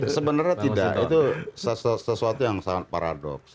sebenarnya tidak itu sesuatu yang sangat paradoks